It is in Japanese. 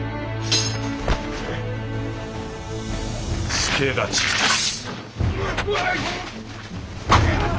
助太刀致す。